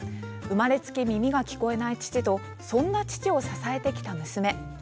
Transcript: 生まれつき耳が聞こえない父とそんな父を支えてきた娘。